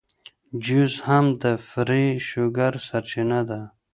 جوس هم د فري شوګر سرچینه ده.